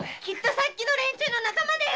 さっきの連中の仲間だよ。